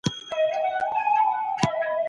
سره په دښمنۍ کي خوشبختي پيشبيني کول